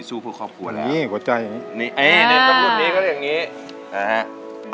สู้ผู้ครอบครัวแล้วนี่หัวใจอย่างนี้นี่นี่นี่นี่ต้องรุ่นนี้ก็ได้อย่างนี้นะฮะ